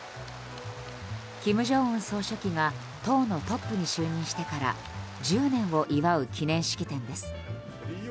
金正恩総書記が党のトップに就任してから１０年を祝う記念式典です。